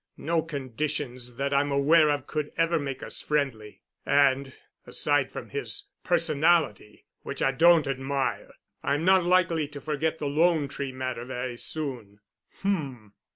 No conditions that I'm aware of could ever make us friendly, and, aside from his personality, which I don't admire, I'm not likely to forget the 'Lone Tree' matter very soon." "H—m!